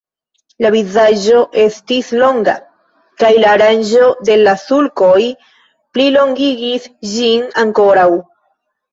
La vizaĝo estis longa, kaj la aranĝo de la sulkoj plilongigis ĝin ankoraŭ.